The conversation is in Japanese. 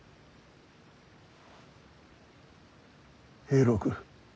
平六